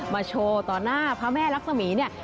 โชว์ต่อหน้าพระแม่รักษมีเนี่ย